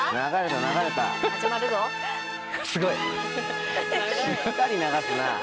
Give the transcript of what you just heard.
しっかり流すなぁ。